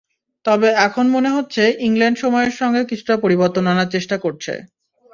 তবে এখন মনে হচ্ছে ইংল্যান্ড সময়ের সঙ্গে কিছুটা পরিবর্তন আনার চেষ্টা করছে।